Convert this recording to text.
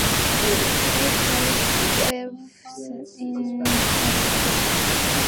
They placed twelfth in Tallinn.